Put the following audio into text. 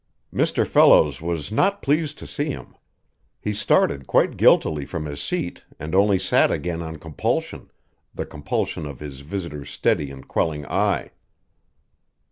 Mr. Fellows was not pleased to see him. He started quite guiltily from his seat and only sat again on compulsion the compulsion of his visitor's steady and quelling eye.